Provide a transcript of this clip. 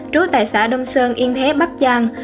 trú tại xã đông sơn yên thế bắc giang